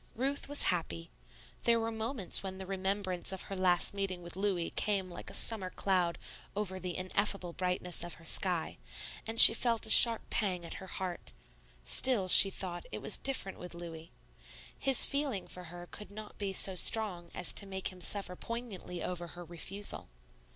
Ruth was happy. There were moments when the remembrance of her last meeting with Louis came like a summer cloud over the ineffable brightness of her sky, and she felt a sharp pang at her heart; still, she thought, it was different with Louis. His feeling for her could not be so strong as to make him suffer poignantly over her refusal.